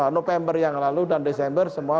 november yang lalu dan desember semua